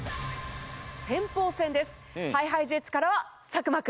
先鋒戦です。ＨｉＨｉＪｅｔｓからは作間君。